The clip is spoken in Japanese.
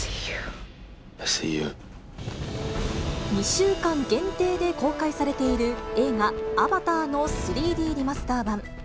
２週間限定で公開されている映画、アバターの３Ｄリマスター版。